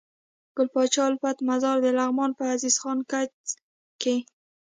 ګل پاچا الفت مزار دلغمان په عزيز خان کځ کي